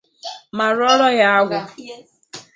ma rụọrọ ya agwụ.